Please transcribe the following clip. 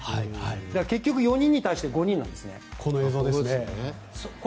だから結局４人に対して５人なんです。